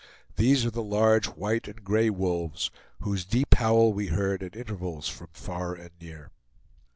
These are the large white and gray wolves, whose deep howl we heard at intervals from far and near.